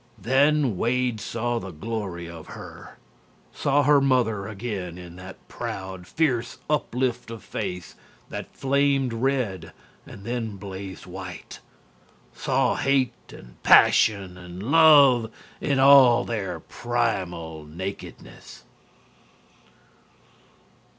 "Then Wade saw the glory of her saw her mother again in that proud, fierce uplift of face that flamed red and then blazed white saw hate and passion and love in all their primal nakedness.